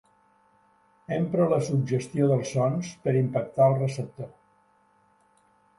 Empre la suggestió dels sons per impactar el receptor.